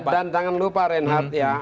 dan jangan lupa rehat ya